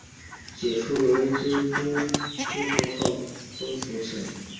解夫娄迁都之后国号东扶余。